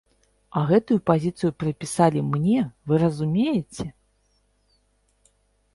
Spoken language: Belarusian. А гэтую пазіцыю прыпісалі мне, вы разумееце?